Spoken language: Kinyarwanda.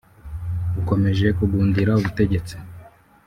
ukomeje kugundira ubutegetsi